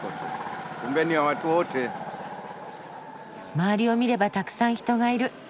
周りを見ればたくさん人がいる。